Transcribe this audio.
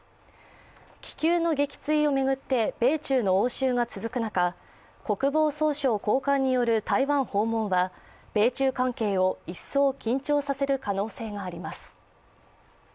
気球の撃墜を巡って米中の応酬が続く中国防総省高官による台湾訪問は米中関係を一層緊張させる可能性があります。